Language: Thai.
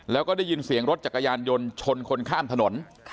แล้วก็ได้ยินเสียงรถจักรยานยนต์ชนคนข้ามถนน